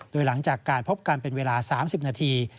โดยหลังจากการพบกันเป็นเวลา๓๐นาที